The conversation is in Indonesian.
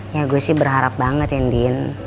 ya gue sih berharap banget ya andin